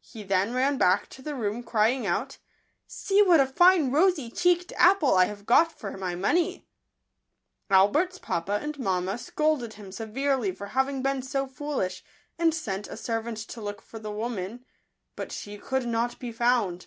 He then ran back to the room, crying out, " See what a fine rosy cheeked apple I have got for my money !" Albert's papa and mamma scolded him se verely for having been so foolish, and sent a servant to look for the woman ; but she could not be found.